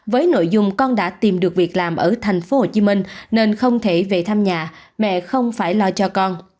với nội dung con đã tìm được việc làm ở thành phố hồ chí minh nên không thể về thăm nhà mẹ không phải lo cho con